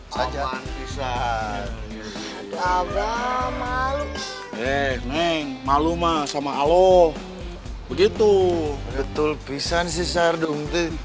cuman bisa ada malu eh neng malu mas sama aloh begitu betul pisang sih serdum